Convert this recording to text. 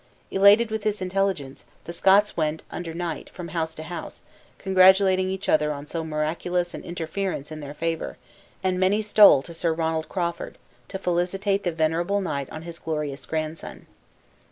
Elated with this intelligence, the Scots went, under night, from house to house, congratulating each other on so miraculous an interference in their favor; and many stole to Sir Ronald Crawford, to felicitate the venerable knight on his glorious grandson.